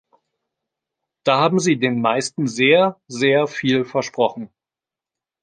Da haben Sie den meisten sehr, sehr viel versprochen.